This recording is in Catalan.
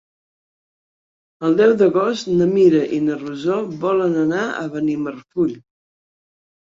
El deu d'agost na Mira i na Rosó volen anar a Benimarfull.